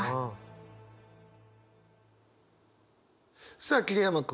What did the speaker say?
さあ桐山君。